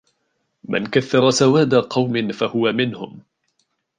مَنْ كَثَّرَ سَوَادَ قَوْمٍ فَهُوَ مِنْهُمْ